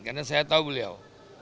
karena saya tahu beliau